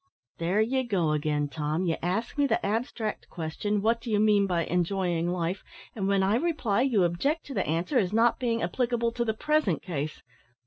"There you go again, Tom; you ask me the abstract question, `What do you mean by enjoying life?' and when I reply, you object to the answer as not being applicable to the present case.